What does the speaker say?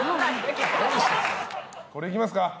これいきますか。